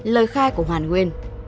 ba lời khai của hoàng nguyên